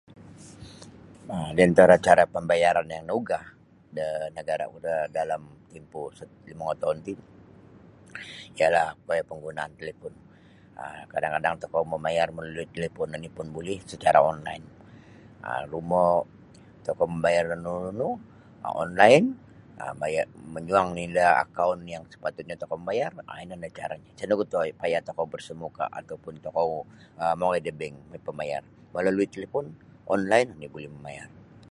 um Di antara cara pambayaran yang nauga da nagara ku da dalam tempoh sat limo ngotoun ti cara koyo panggunaan talipun um kadang-kadang tokou mamayar melalui telefon oni pun buli secara online um rumo tokou mambayar da nunu -nunu um online um maya manyuang nini da akaun yang sapatutnya tokou membayar um ino oni caranya isa nogu payah tokou bersemuka ataupun tokou mongoi um da bank mongoi pambayar mamayar melalui telefon online oni buli mamayar.